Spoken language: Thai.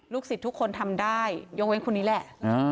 สิทธิ์ทุกคนทำได้ยกเว้นคนนี้แหละ